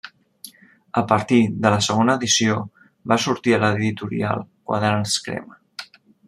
A partir de la segona edició va sortir a l’editorial Quaderns Crema.